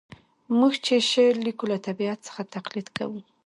موږ چي شعر لیکو له طبیعت څخه تقلید کوو.